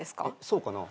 そうかな？